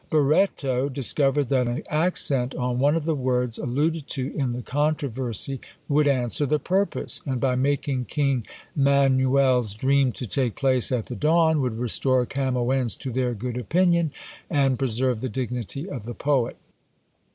Barreto discovered that an accent on one of the words alluded to in the controversy would answer the purpose, and by making king Manuel's dream to take place at the dawn would restore Camoens to their good opinion, and preserve the dignity of the poet.